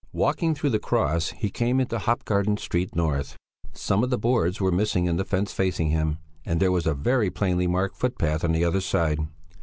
Walking through the Cross, he came into Hop Garden Street North. Some of the boards were missing in the fence facing him, and there was a very plainly marked footpath on the other side.